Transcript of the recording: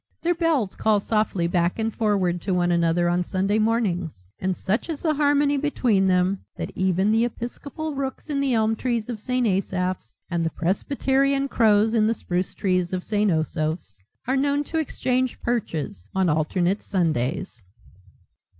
Their bells call softly back and forward to one another on Sunday mornings and such is the harmony between them that even the episcopal rooks in the elm trees of St. Asaph's and the presbyterian crows in the spruce trees of St. Osoph's are known to exchange perches on alternate Sundays.